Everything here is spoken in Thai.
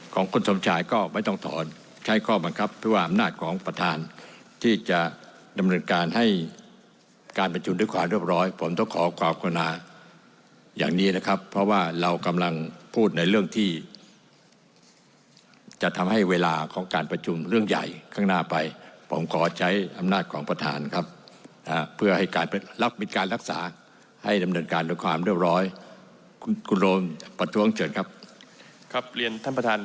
ของคนสมชายก็ไม่ต้องถอนใช้ข้อมันครับเพื่อว่าอำนาจของประธานที่จะดำเนินการให้การประชุมด้วยความเรียบร้อยผมต้องขอความคุณาอย่างนี้นะครับเพราะว่าเรากำลังพูดในเรื่องที่จะทำให้เวลาของการประชุมเรื่องใหญ่ข้างหน้าไปผมขอใช้อำนาจของประธานครับนะฮะเพื่อให้การรับผิดการรักษาให้ดำเนินการด้วยความเรียบร้อย